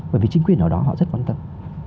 bởi vì chính quyền ở đó họ rất quan tâm